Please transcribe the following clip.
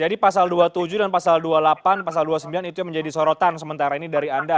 jadi pasal dua puluh tujuh dan pasal dua puluh delapan pasal dua puluh sembilan itu yang menjadi sorotan sementara ini dari anda